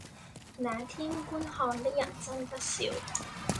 那天觀看的人真不少